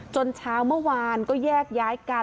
เช้าเมื่อวานก็แยกย้ายกัน